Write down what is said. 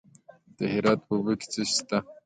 د هرات په اوبې کې څه شی شته؟